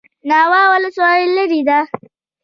ناوه ولسوالۍ لیرې ده؟